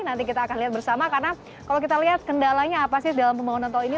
nanti kita akan lihat bersama karena kalau kita lihat kendalanya apa sih dalam pembangunan tol ini